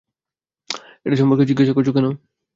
এটা সম্পর্কে জিজ্ঞাস করছো কেন?